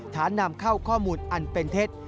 ฐานนำเข้าข้อมูลอันเป็นเท็จ